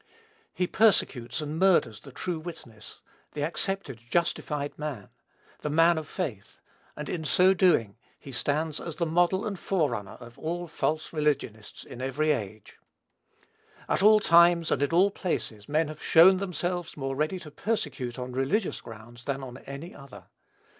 He persecutes and murders the true witness, the accepted, justified man, the man of faith; and, in so doing, he stands as the model and forerunner of all false religionists in every age. At all times, and in all places, men have shown themselves more ready to persecute on religious grounds than on any other.